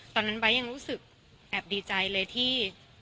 ตอนนั้นไบท์ยังรู้สึกแอบดีใจเลยที่